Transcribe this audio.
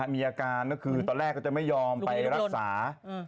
มีอาการตอนแรกก็จะยอมไปรักษา